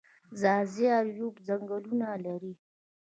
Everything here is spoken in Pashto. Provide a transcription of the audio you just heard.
ځاځي اریوب ځنګلونه لري؟